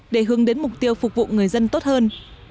để hướng đến mục tiêu phục vụ người dân tốt hơn